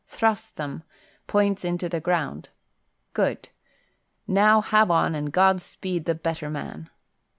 "Thrust them, points into the ground. Good! Now have on, and God speed the better man."